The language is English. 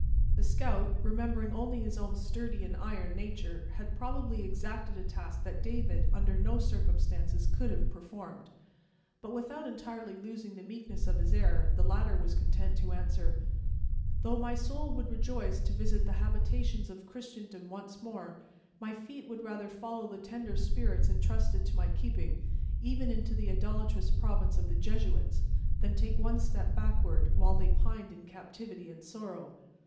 The scout, remembering only his own sturdy and iron nature, had probably exacted a task that David, under no circumstances, could have performed. But, without entirely losing the meekness of his air, the latter was content to answer: "Though my soul would rejoice to visit the habitations of Christendom once more, my feet would rather follow the tender spirits intrusted to my keeping, even into the idolatrous province of the Jesuits, than take one step backward, while they pined in captivity and sorrow."